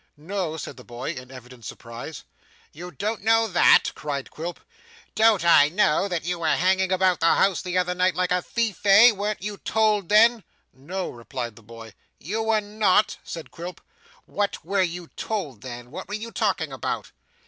'No,' said the boy, in evident surprise. 'You don't know that?' cried Quilp. 'Don't I know that you were hanging about the house the other night, like a thief, eh? Weren't you told then?' 'No,' replied the boy. 'You were not?' said Quilp. 'What were you told then; what were you talking about?